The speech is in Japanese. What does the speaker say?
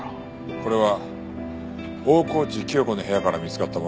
これは大河内貴代子の部屋から見つかったものです。